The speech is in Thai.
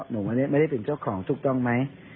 หนูไม่ได้เป็นเจ้าของถูกต้องไหม